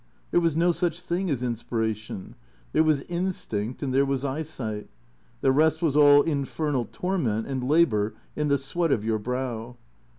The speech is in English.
There was no such thing as inspira tion. There was instinct, and there was eyesight. The rest was all infernal torment and labour in the sweat of your brow.